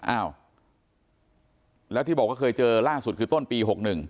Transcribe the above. อ้าวแล้วที่บอกว่าเคยเจอล่าสุดคือต้นปี๖๑